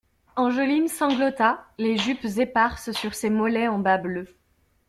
Angeline sanglota, les jupes éparses sur ses mollets en bas bleus.